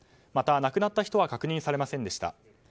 また、亡くなった人は確認されませんでした。